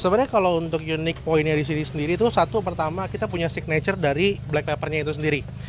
sebenarnya kalau untuk unik pointnya di sini sendiri itu satu pertama kita punya signature dari black peppernya itu sendiri